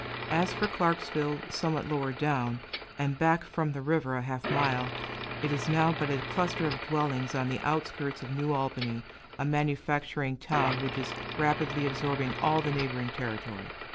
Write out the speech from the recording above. As for Clarksville, somewhat lower down, and back from the river a half mile, it is now but a cluster of dwellings on the outskirts of New Albany, a manufacturing town which is rapidly absorbing all the neighboring territory.